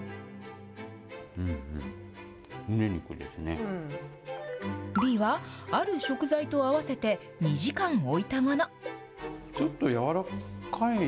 うんうん、Ｂはある食材と合わせて２時間置いたもの。